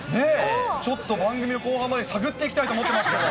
ちょっと番組の後半まで探っていきたいと思ってますから。